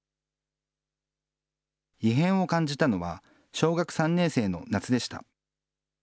異変を感じたのは、小学３年生の夏でした。